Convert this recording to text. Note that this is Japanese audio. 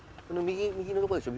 右のとこでしょ